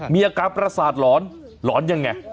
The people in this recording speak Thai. มีอาการประสาทหลอนหลอนยังไง